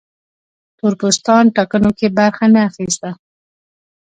تور پوستان ټاکنو کې برخه نه اخیسته.